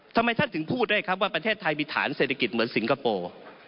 ทำไมท่านถึงพูดได้ครับว่าประเทศไทยมีฐานเศรษฐกิจเหมือนสิงคโปร์